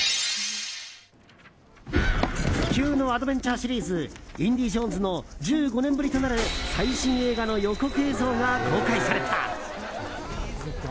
不朽のアドベンチャーシリーズ「インディ・ジョーンズ」の１５年ぶりとなる最新映画の予告映像が公開された。